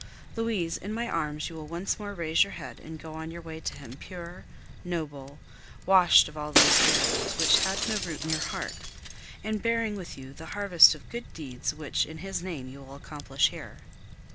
Louise, in my arms you will once more raise your head and go on your way to him, pure, noble, washed of all those errors, which had no root in your heart, and bearing with you the harvest of good deeds which, in his name, you will accomplish here.